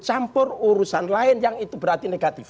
campur urusan lain yang itu berarti negatif